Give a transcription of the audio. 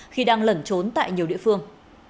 khi đang lẩn trốn tại nhiều địa phương